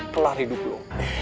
kelar hidup lo